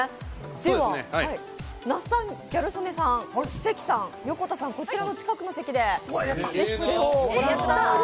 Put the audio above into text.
では那須さん、ギャル曽根さん、横田さん、こちらの近くの席でご覧になってください。